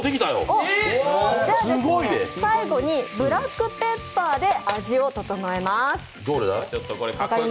最後にブラックペッパーで味を整えます。